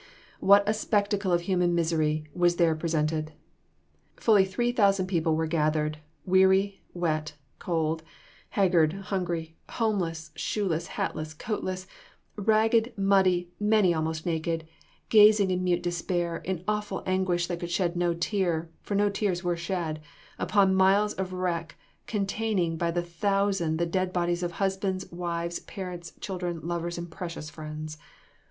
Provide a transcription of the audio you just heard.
What a spectacle of human misery was there presented! [Illustration: THE GORGE AT THE BRIDGE.] Fully three thousand people were gathered, weary, wet, cold, haggard, hungry, homeless, shoeless, hatless, coatless, ragged, muddy, many almost naked, gazing in mute despair, in awful anguish that could shed no tear (for no tears were shed) upon miles of wreck, containing by the thousand the dead bodies of husbands, wives, parents, children, lovers, and precious friends.